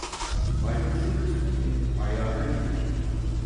Baykuşun kısmeti ayağına gelir.